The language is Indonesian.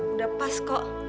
udah pas kok